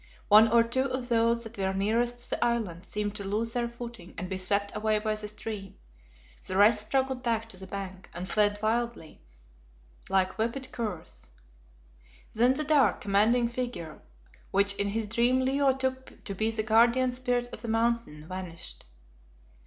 One or two of those that were nearest to the island seemed to lose their footing and be swept away by the stream. The rest struggled back to the bank, and fled wildly like whipped curs. Then the dark, commanding figure, which in his dream Leo took to be the guardian Spirit of the Mountain, vanished.